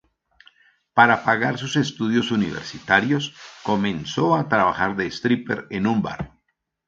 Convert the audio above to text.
Para pagar sus estudios universitarios, comenzó a trabajar de stripper en un bar.